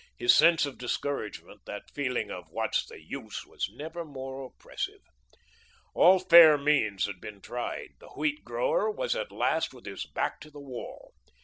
His sense of discouragement, that feeling of what's the use, was never more oppressive. All fair means had been tried. The wheat grower was at last with his back to the wall.